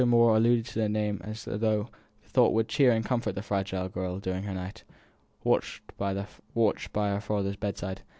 Moore alluded to his name as to a thought that would cheer and comfort the fragile girl during her night watch by her father's bedside.